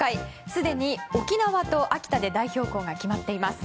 すでに沖縄と秋田で代表校が決まっています。